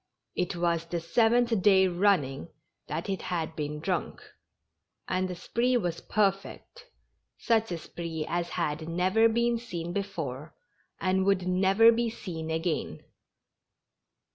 It was the seventh day running that it had been drunk. And the spree was perfect — such a spree as had never been seen before, and would never be seen again.